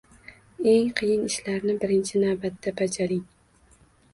Eng qiyin ishlarni birinchi navbatda bajaring